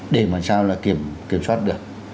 để mà sao là kiểm soát được